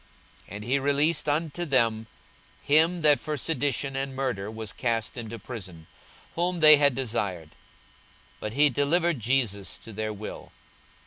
42:023:025 And he released unto them him that for sedition and murder was cast into prison, whom they had desired; but he delivered Jesus to their will.